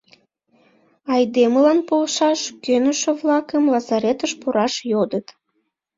Айдемылан полшаш кӧнышӧ-влакым лазаретыш пураш йодыт.